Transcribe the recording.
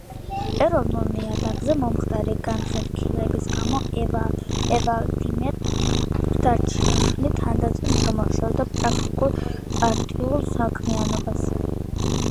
ეროვნულ ნიადაგზე მომხდარი განხეთქილების გამო ვლადიმერ დარჩიაშვილი თანდათან ჩამოშორდა პრაქტიკულ პარტიულ საქმიანობას.